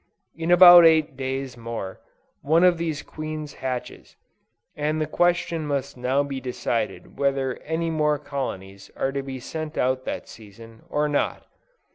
In about eight days more, one of these queens hatches, and the question must now be decided whether any more colonies are to be sent out that season, or not.